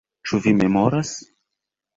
Ĉu vi memoras?